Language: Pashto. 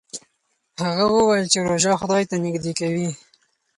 هغه وویل چې روژه خدای ته نژدې کوي.